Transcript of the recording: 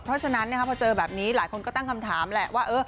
เพราะฉะนั้นพอเจอแบบนี้หลายคนก็ตั้งคำถามแหละว่า